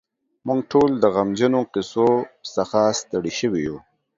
موږ ټول د غمجنو کیسو څخه ستړي شوي یو.